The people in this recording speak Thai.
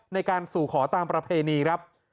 ในการสู่ขอตามประเพณีครับ